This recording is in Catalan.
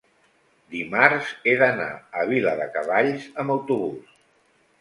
dimarts he d'anar a Viladecavalls amb autobús.